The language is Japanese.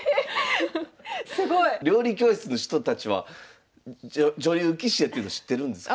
すごい！料理教室の人たちは女流棋士やっていうの知ってるんですか？